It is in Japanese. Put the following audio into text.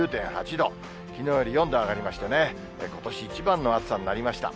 きのうより４度上がりましてね、ことし一番の暑さになりました。